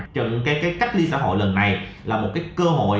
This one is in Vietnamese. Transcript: trong cái cách ly xã hội lần này là một cái cơ hội